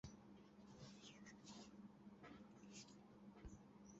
বলিয়াই ঘর হইতে বাহির হইয়া গেল।